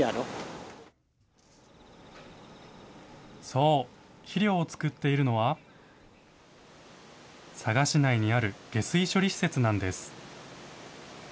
そう、肥料を作っているのは、佐賀市内にある下水処理施設なんです。